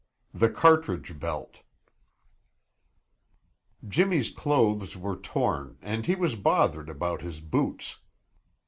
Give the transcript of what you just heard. XVIII THE CARTRIDGE BELT Jimmy's clothes were torn and he was bothered about his boots.